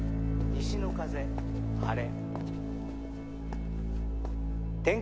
西の風晴れ」。